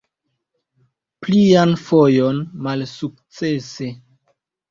Plian fojon malsukcese.